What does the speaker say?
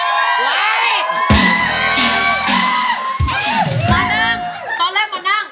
มานั่งตอนแรกมานั่ง